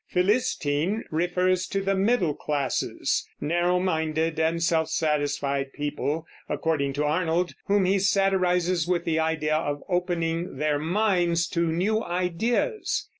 "Philistine" refers to the middle classes, narrow minded and self satisfied people, according to Arnold, whom he satirizes with the idea of opening their minds to new ideas.